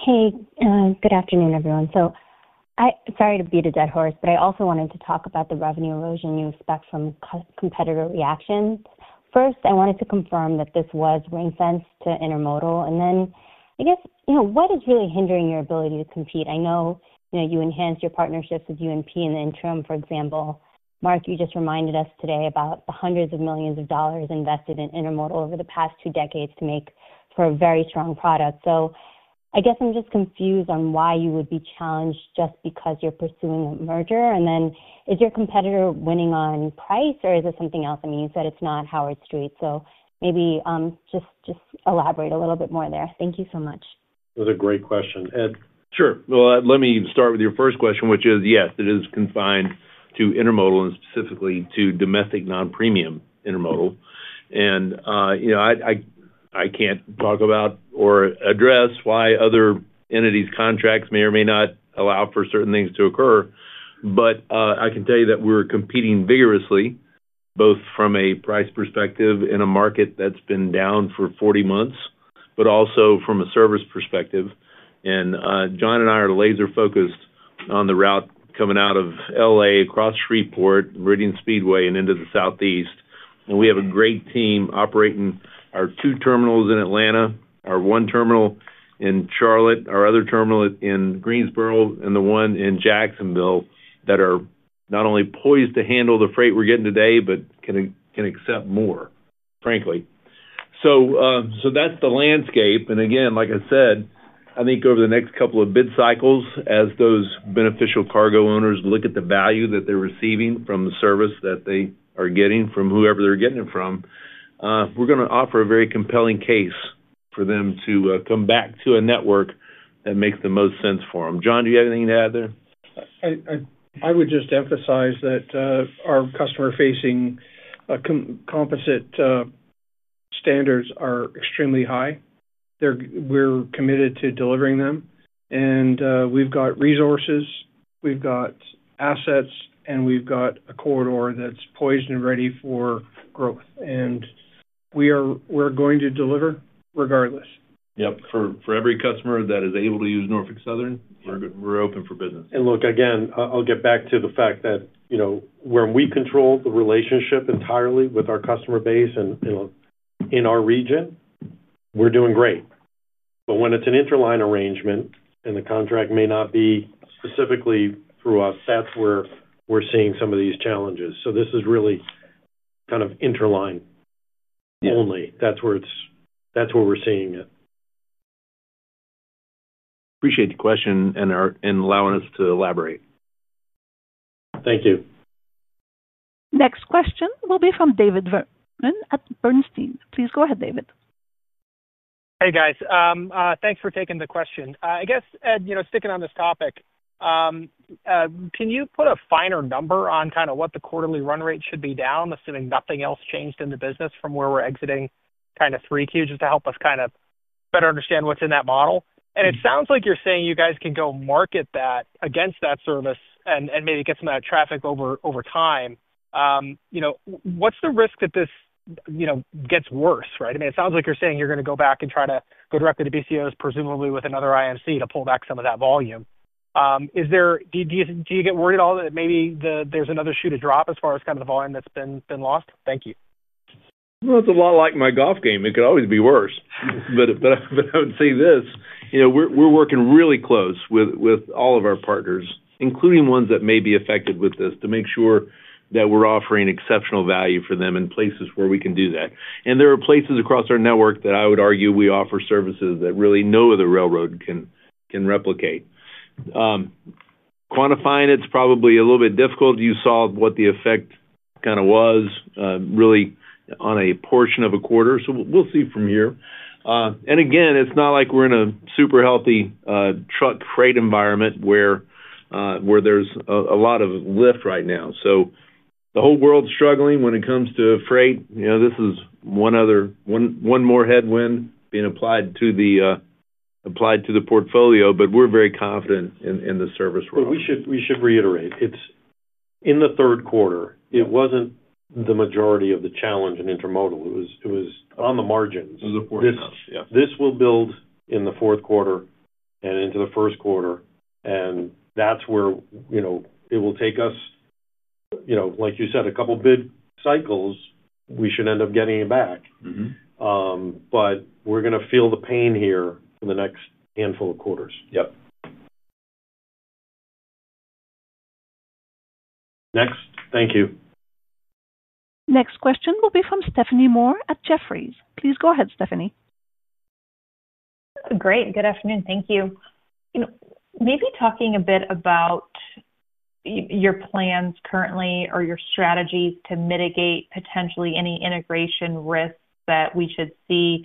Hey, good afternoon, everyone. I'm sorry to beat a dead horse, but I also wanted to talk about the revenue erosion you expect from competitor reactions. First, I wanted to confirm that this was ring-fenced to intermodal. I guess, you know, what is really hindering your ability to compete? I know you enhanced your partnerships with Union Pacific in the interim, for example. Mark, you just reminded us today about the hundreds of millions of dollars invested in intermodal over the past two decades to make for a very strong product. I guess I'm just confused on why you would be challenged just because you're pursuing a merger. Is your competitor winning on price or is it something else? You said it's not Howard Street. Maybe just elaborate a little bit more there. Thank you so much. That was a great question, Ed? Let me start with your first question, which is, yes, it is confined to intermodal and specifically to domestic non-premium intermodal. I can't talk about or address why other entities' contracts may or may not allow for certain things to occur. I can tell you that we're competing vigorously, both from a price perspective in a market that's been down for 40 months, but also from a service perspective. John and I are laser-focused on the route coming out of LA across Shreveport, Meridian Speedway, and into the Southeast. We have a great team operating our two terminals in Atlanta, our one terminal in Charlotte, our other terminal in Greensboro, and the one in Jacksonville that are not only poised to handle the freight we're getting today, but can accept more, frankly. That's the landscape. Again, like I said, I think over the next couple of bid cycles, as those beneficial cargo owners look at the value that they're receiving from the service that they are getting from whoever they're getting it from, we're going to offer a very compelling case for them to come back to a network that makes the most sense for them. John, do you have anything to add there? I would just emphasize that our customer-facing composite standards are extremely high. We're committed to delivering them. We have resources, we have assets, and we have a corridor that's poised and ready for growth. We are going to deliver regardless. For every customer that is able to use Norfolk Southern, we're open for business. I will get back to the fact that, you know, when we control the relationship entirely with our customer base in our region, we're doing great. When it's an interline arrangement and the contract may not be specifically through us, that's where we're seeing some of these challenges. This is really kind of interline only. That's where we're seeing it. Appreciate the question and allowing us to elaborate. Thank you. Next question will be from David Vernon at Bernstein. Please go ahead, David. Hey, guys. Thanks for taking the question. I guess, Ed, you know, sticking on this topic, can you put a finer number on kind of what the quarterly run rate should be down, assuming nothing else changed in the business from where we're exiting kind of 3Q, just to help us kind of better understand what's in that model? It sounds like you're saying you guys can go market that against that service and maybe get some of that traffic over time. You know, what's the risk that this gets worse, right? It sounds like you're saying you're going to go back and try to go directly to BCOs, presumably with another IMC to pull back some of that volume. Do you get worried at all that maybe there's another shoe to drop as far as kind of the volume that's been lost? Thank you. It's a lot like my golf game. It could always be worse. I would say this: we're working really close with all of our partners, including ones that may be affected with this, to make sure that we're offering exceptional value for them in places where we can do that. There are places across our network that I would argue we offer services that really no other railroad can replicate. Quantifying it's probably a little bit difficult. You saw what the effect kind of was really on a portion of a quarter. We'll see from here. It's not like we're in a super healthy truck freight environment where there's a lot of lift right now. The whole world's struggling when it comes to freight. This is one other one more headwind being applied to the portfolio, but we're very confident in the service role. We should reiterate it's in the third quarter. It wasn't the majority of the challenge in intermodal, it was on the margins. It was the fourth quarter. This will build in the fourth quarter and into the first quarter. That's where, like you said, a couple of bid cycles, we should end up getting it back. We're going to feel the pain here for the next handful of quarters. Yep. Next, thank you. Next question will be from Stephanie Moore at Jefferies. Please go ahead, Stephanie. Great. Good afternoon. Thank you. Maybe talking a bit about your plans currently or your strategies to mitigate potentially any integration risks that we should see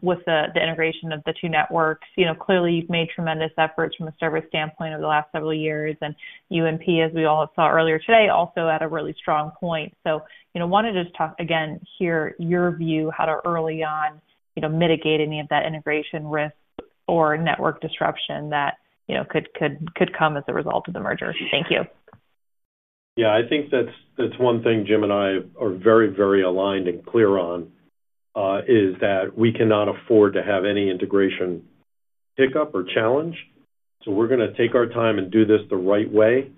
with the integration of the two networks. Clearly, you've made tremendous efforts from a service standpoint over the last several years. Union Pacific, as we all saw earlier today, also at a really strong point. I wanted to just talk again, hear your view, how to early on mitigate any of that integration risk or network disruption that could come as a result of the merger? Thank you. Yeah, I think that's one thing Jim and I are very, very aligned and clear on, is that we cannot afford to have any integration hiccup or challenge. We're going to take our time and do this the right way.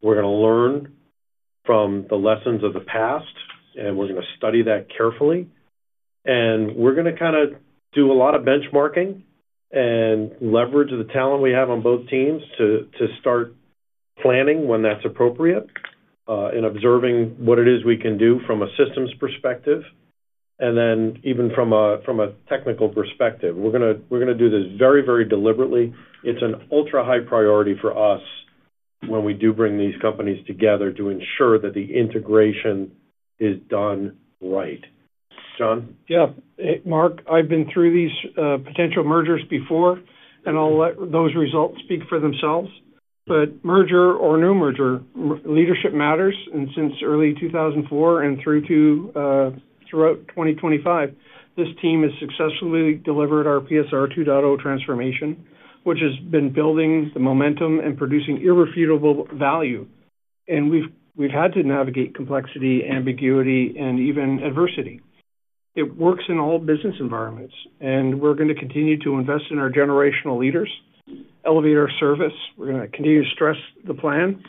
We're going to learn from the lessons of the past, and we're going to study that carefully. We're going to do a lot of benchmarking and leverage the talent we have on both teams to start planning when that's appropriate, and observing what it is we can do from a systems perspective. Even from a technical perspective, we're going to do this very, very deliberately. It's an ultra-high priority for us when we do bring these companies together to ensure that the integration is done right. John? Yeah. Hey, Mark, I've been through these potential mergers before, and I'll let those results speak for themselves. Merger or new merger, leadership matters. Since early 2004 and throughout 2025, this team has successfully delivered our PSR 2.0 transformation, which has been building the momentum and producing irrefutable value. We've had to navigate complexity, ambiguity, and even adversity. It works in all business environments. We're going to continue to invest in our generational leaders, elevate our service, continue to stress the plan,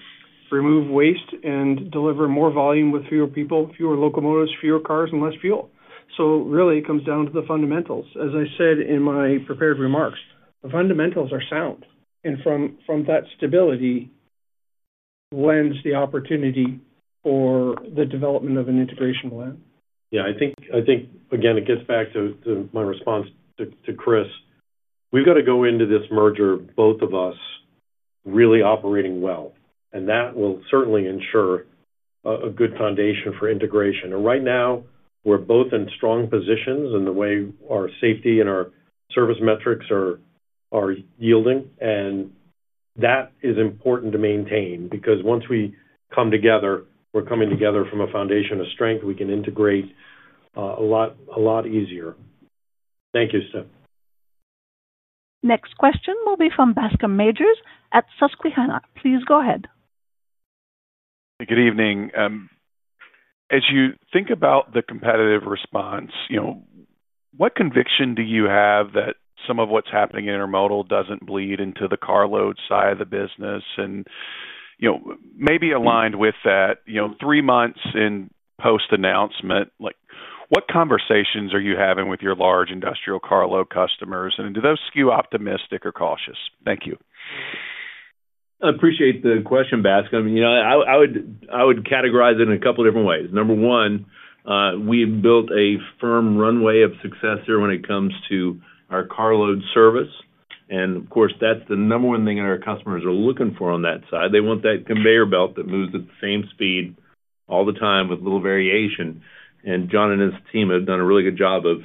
remove waste, and deliver more volume with fewer people, fewer locomotives, fewer cars, and less fuel. It comes down to the fundamentals. As I said in my prepared remarks, the fundamentals are sound. From that stability lends the opportunity for the development of an integration plan. I think again, it gets back to my response to Chris. We've got to go into this merger, both of us really operating well. That will certainly ensure a good foundation for integration. Right now, we're both in strong positions in the way our safety and our service metrics are yielding. That is important to maintain because once we come together, we're coming together from a foundation of strength. We can integrate a lot easier. Thank you, Stef. Next question will be from Bascome Majors at Susquehanna. Please go ahead. Good evening. As you think about the competitive response, what conviction do you have that some of what's happening in intermodal doesn't bleed into the carload side of the business? Maybe aligned with that, three months in post-announcement, what conversations are you having with your large industrial carload customers? Do those skew optimistic or cautious? Thank you. I appreciate the question, Bascome. I would categorize it in a couple of different ways. Number one, we have built a firm runway of success here when it comes to our carload service. Of course, that's the number one thing that our customers are looking for on that side. They want that conveyor belt that moves at the same speed all the time with little variation. John and his team have done a really good job of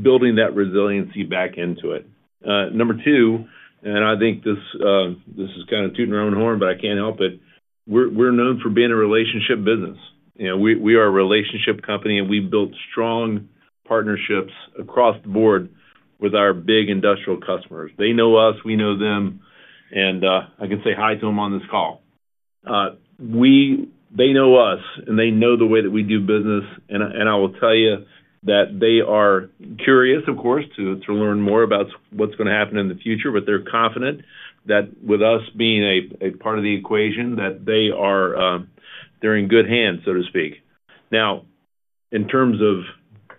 building that resiliency back into it. Number two, and I think this is kind of tooting our own horn, but I can't help it. We're known for being a relationship business. We are a relationship company, and we've built strong partnerships across the board with our big industrial customers. They know us. We know them. I can say hi to them on this call. They know us, and they know the way that we do business. I will tell you that they are curious, of course, to learn more about what's going to happen in the future, but they're confident that with us being a part of the equation, they are in good hands, so to speak. In terms of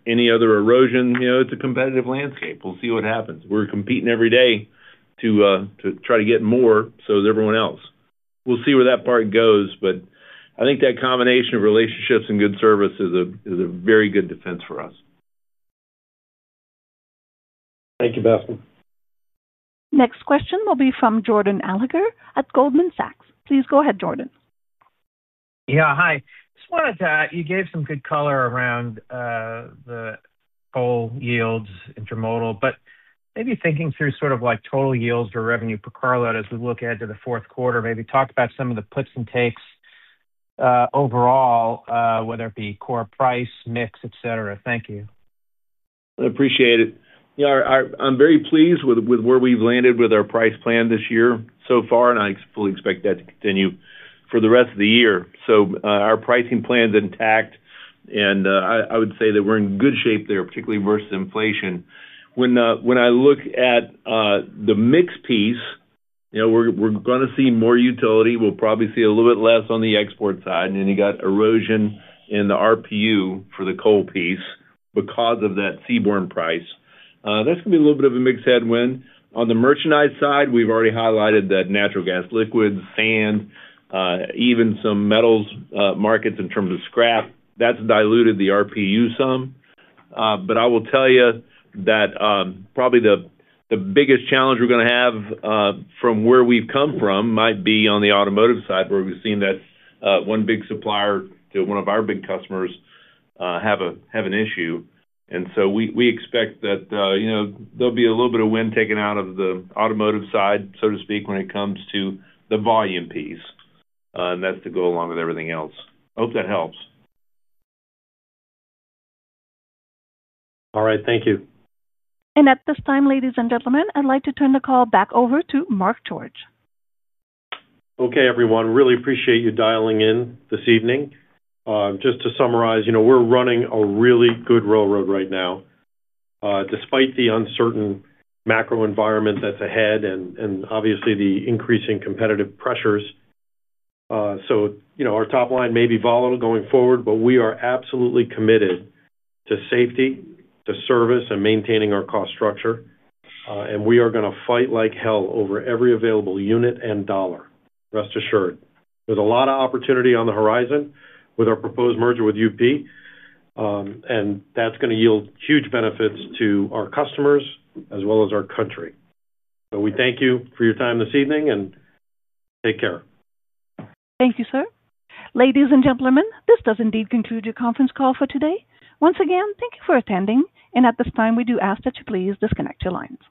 any other erosion, it's a competitive landscape. We'll see what happens. We're competing every day to try to get more so is everyone else. We'll see where that part goes, but I think that combination of relationships and good service is a very good defense for us. Thank you, Bascome. Next question will be from Jordan Alliger at Goldman Sachs. Please go ahead, Jordan. Yeah, hi. I just wanted to, you gave some good color around the total yields intermodal, but maybe thinking through sort of like total yields or revenue per carload as we look ahead to the fourth quarter, maybe talk about some of the puts and takes, overall, whether it be core price, mix, etc. Thank you. I appreciate it. I'm very pleased with where we've landed with our price plan this year so far, and I fully expect that to continue for the rest of the year. Our pricing plan's intact, and I would say that we're in good shape there, particularly vs inflation. When I look at the mixed piece, we're going to see more utility. We'll probably see a little bit less on the export side. You have erosion in the RPU for the coal piece because of that Seaborn price. That's going to be a little bit of a mixed headwind. On the merchandise side, we've already highlighted that natural gas liquids, sand, even some metals markets in terms of scrap, that's diluted the RPU some. I will tell you that probably the biggest challenge we're going to have from where we've come from might be on the automotive side, where we've seen that one big supplier to one of our big customers have an issue. We expect that there'll be a little bit of wind taken out of the automotive side, so to speak, when it comes to the volume piece, and that's to go along with everything else. Hope that helps. All right, thank you. At this time, ladies and gentlemen, I'd like to turn the call back over to Mark George. Okay, everyone, really appreciate you dialing in this evening. Just to summarize, you know, we're running a really good railroad right now, despite the uncertain macro-economic environment that's ahead and obviously the increasing competitive pressures. You know, our top-line may be volatile going forward, but we are absolutely committed to safety, to service, and maintaining our cost structure. We are going to fight like hell over every available unit and dollar. Rest assured. There's a lot of opportunity on the horizon with our proposed merger with Union Pacific, and that's going to yield huge benefits to our customers as well as our country. We thank you for your time this evening, and take care. Thank you, sir. Ladies and gentlemen, this does indeed conclude your conference call for today. Once again, thank you for attending. At this time, we do ask that you please disconnect your lines.